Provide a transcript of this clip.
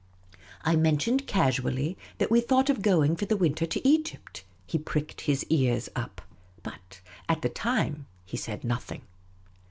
I mentioned casually that we thought of going for the winter to Egypt. He pricked his ears up. But at the time he said nothing.